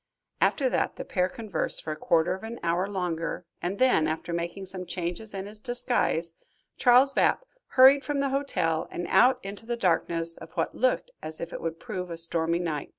After that the pair conversed for a quarter of an hour longer and then, after making some changes in his disguise, Charles Vapp hurried from the hotel and out into the darkness of what looked as if it would prove a stormy night.